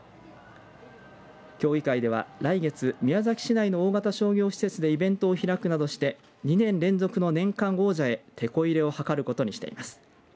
協議会では来月宮崎市内の大型商業施設でイベントを開くなどして２年連続の年間王者へてこ入れを図ることにしています。